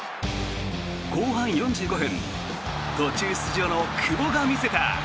後半４５分、途中出場の久保が見せた。